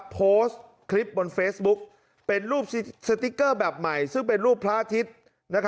โพสต์คลิปบนเฟซบุ๊กเป็นรูปสติ๊กเกอร์แบบใหม่ซึ่งเป็นรูปพระอาทิตย์